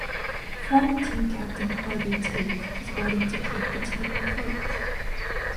Former team captain Harvey Tafe was brought in to keep the team afloat.